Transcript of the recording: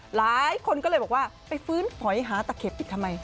หลายคนก็เลยบอกว่าไปฟื้นฝอยหาตะเข็บอีกทำไม